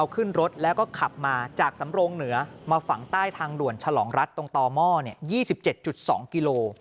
ขึ้นรถแล้วก็ขับมาจากสำรงเหนือมาฝังใต้ทางด่วนฉลองรัฐตรงต่อหม้อ๒๗๒กิโล